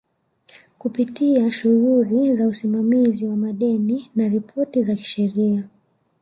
kupitia shughuli za usimamizi wa madeni na ripoti za kisheria